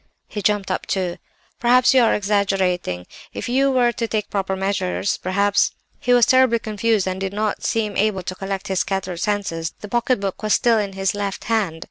"He jumped up, too. "'Perhaps you are exaggerating—if you were to take proper measures perhaps—" "He was terribly confused and did not seem able to collect his scattered senses; the pocket book was still in his left hand.